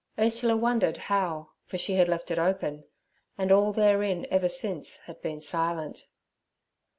Ursula wondered how, for she had left it open, and all therein ever since had been silent.